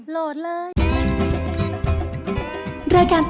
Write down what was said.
โหลดเลย